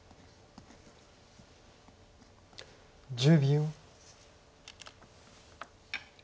１０秒。